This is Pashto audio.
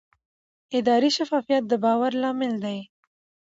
اداري شفافیت د باور لامل دی